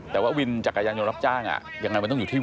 ไปดักรอข้างนาอะไรแบบเนี้ย